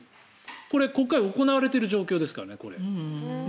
これ、国会行われている状況ですからね。